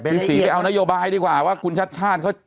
คุณศรีไปเอานโยบายดีกว่าว่าคุณชาติชาติเขา